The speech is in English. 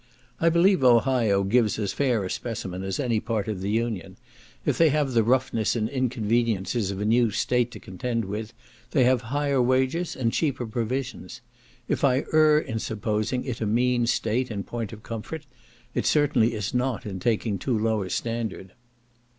I believe Ohio gives as fair a specimen as any part of the union; if they have the roughness and inconveniences of a new state to contend with, they have higher wages and cheaper provisions; if I err in supposing it a mean state in point of comfort, it certainly is not in taking too low a standard.